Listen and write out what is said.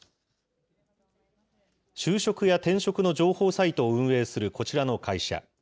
就職や転職の情報サイトを運営するこちらの会社。